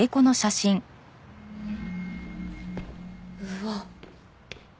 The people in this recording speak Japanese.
うわっ。